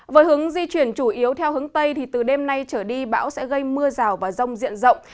với hướng di chuyển chủ yếu theo hướng tây từ đêm nay trở đi bão sẽ gây mưa rào và rông diện rộng